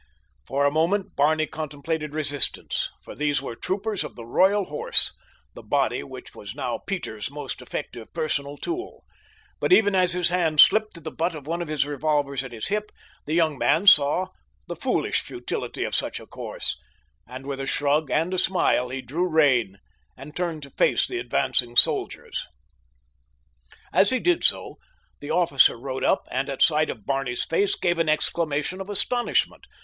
For a moment Barney contemplated resistance, for these were troopers of the Royal Horse, the body which was now Peter's most effective personal tool; but even as his hand slipped to the butt of one of the revolvers at his hip, the young man saw the foolish futility of such a course, and with a shrug and a smile he drew rein and turned to face the advancing soldiers. As he did so the officer rode up, and at sight of Barney's face gave an exclamation of astonishment.